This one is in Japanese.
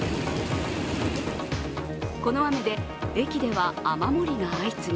この雨で駅では雨漏りが相次ぎ